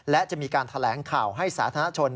และจะมีการแถลงข่าวให้สาธารณชน